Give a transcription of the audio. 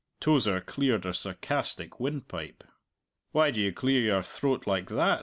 Tozer cleared a sarcastic windpipe. "Why do you clear your throat like that?"